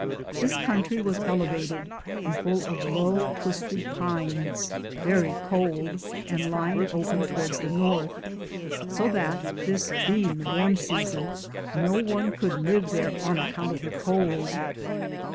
This country was elevated and full or low twisted pines, very cold, and lying open tow ard the north, so that, this being the wans season, no one could live there on account of the cold.